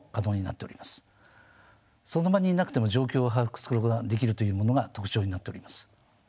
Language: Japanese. その場にいなくても状況を把握することができるというものが特徴になっております。